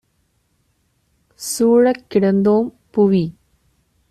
சூழக் கிடந்தோம் - புவித்